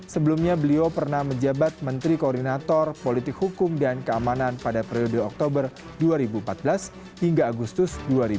sebelumnya beliau pernah menjabat menteri koordinator politik hukum dan keamanan pada periode oktober dua ribu empat belas hingga agustus dua ribu dua puluh